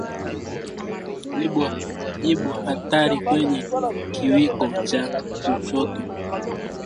Jipu hatari kwenye kiwiko cha kushoto